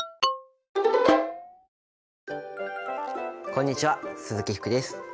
こんにちは鈴木福です。